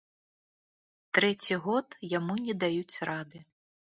Трэці год яму не даюць рады.